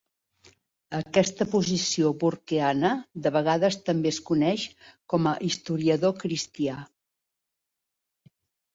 Aquesta posició burkeana de vegades també es coneix com a "historiador cristià".